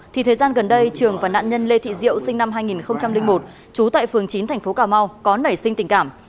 thì thời gian gần đây trường và nạn nhân lê thị diệu sinh năm hai nghìn một trú tại phường chín thành phố cà mau có nảy sinh tình cảm